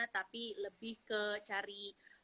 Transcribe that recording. tapi lebih ke cari